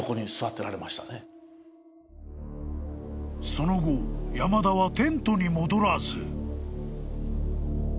［その後山田はテントに戻らず］